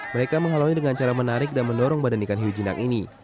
mereka menghalau dengan cara menarik dan mendorong badan ikan hiu jinak ini